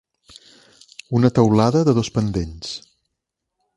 Una teulada de dos pendents.